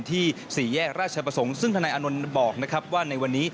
ที่สี่แยกราชประสงค์ซึ่งธนายอนุนบอกว่าในวันนี้